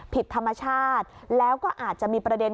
ผิดธรรมชาติแล้วก็อาจจะมีประเด็น